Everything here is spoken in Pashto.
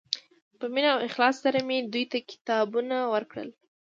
په مینه او اخلاص سره مې دوی ته کتابونه ورکړل.